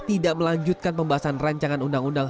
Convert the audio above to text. tidak melanjutkan pembahasan rancangan undang undang